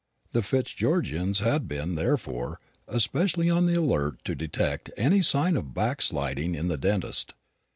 The Fitzgeorgians had been, therefore, especially on the alert to detect any sign of backsliding in the dentist.